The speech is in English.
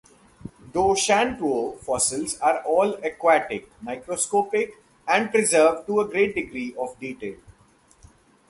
Doushantuo fossils are all aquatic, microscopic, and preserved to a great degree of detail.